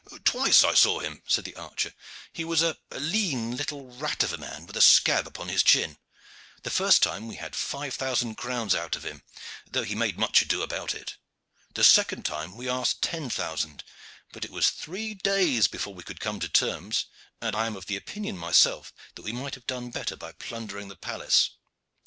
"Twice I saw him," said the archer. "He was a lean little rat of a man, with a scab on his chin. The first time we had five thousand crowns out of him, though he made much ado about it. The second time we asked ten thousand, but it was three days before we could come to terms, and I am of opinion myself that we might have done better by plundering the palace.